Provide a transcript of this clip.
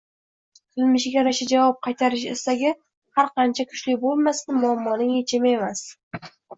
Qilmishiga yarasha javob qaytarish istagi har qancha kuchli bo‘lmasin, muammoning yechimi emas.